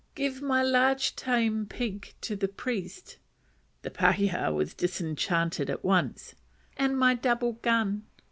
"Give my large tame pig to the priest," (the pakeha was disenchanted at once,) "and my double gun."